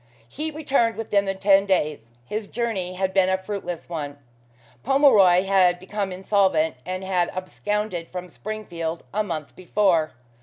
He returned within the ten days. His journey had been a fruitless one. Pomeroy had become insolvent, and had absconded from Springfield a month before.